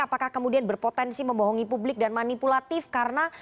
apakah kemudian berpotensi membohongi publik dan manipulatif karena